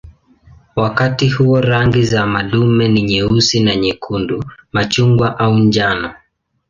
Wakati huo rangi za madume ni nyeusi na nyekundu, machungwa au njano.